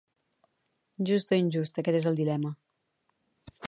Just o injust, aquest és el dilema,